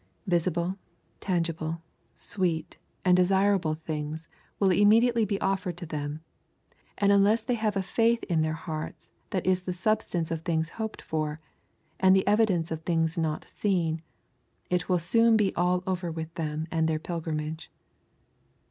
Visible, tangible, sweet, and desirable things will immediately be offered to them, and unless they have a faith in their hearts that is the substance of things hoped for, and the evidence of things not seen, it will soon be all over with them and their pilgrimage.